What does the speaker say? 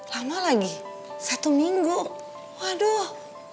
lama lagi satu minggu waduh